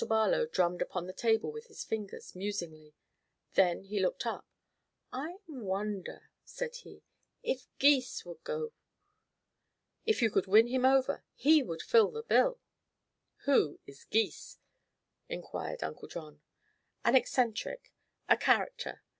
Barlow drummed upon the table with his fingers, musingly. Then he looked up. "I wonder," said he, "if Gys would go. If you could win him over, he would fill the bill." "Who is Gys?" inquired Uncle John. "An eccentric; a character.